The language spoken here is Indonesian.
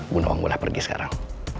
bunawang boleh pergi sekarang